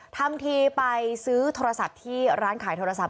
ทำทีไปซื้อโทรศัพท์ที่ร้านขายโทรศัพ